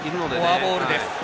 フォアボールです。